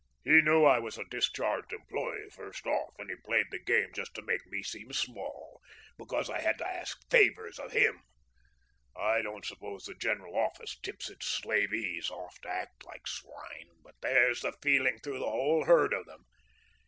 He knew I was a discharged employee first off, and he played the game just to make me seem small because I had to ask favours of him. I don't suppose the General Office tips its slavees off to act like swine, but there's the feeling through the whole herd of them.